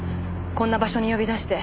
こんな場所に呼び出して。